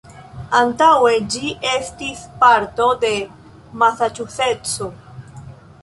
Antaŭe ĝi estis parto de Masaĉuseco.